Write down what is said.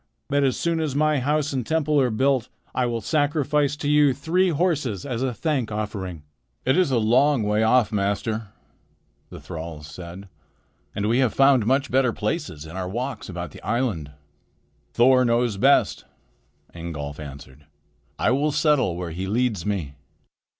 But as soon as my house and temple are built, I will sacrifice to you three horses as a thank offering." "It is a long way off, master," the thralls said, "and we have found much better places in our walks about the island." "Thor knows best," Ingolf answered. "I will settle where he leads me."